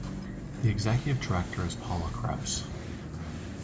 The Executive Director is Paula Krebs.